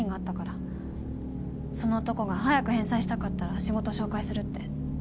その男が早く返済したかったら仕事紹介するって。